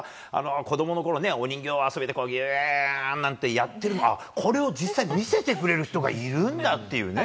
子供のころ、お人形遊びでイエーイなんてやっているこれを実際に見せてくれる人がいるんだとね。